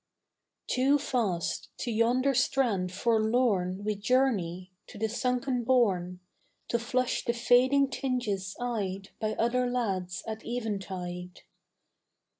Too fast to yonder strand forlorn We journey, to the sunken bourn, To flush the fading tinges eyed By other lads at eventide.